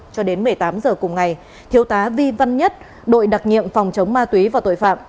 cho đến một mươi tám h cùng ngày thiếu tá vi văn nhất đội đặc nhiệm phòng chống ma túy và tội phạm